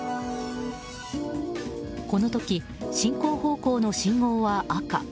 この時、進行方向の信号は赤。